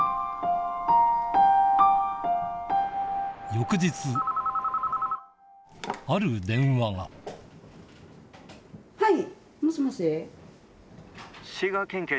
これがある電話がはい。